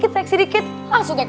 enggak kok enggak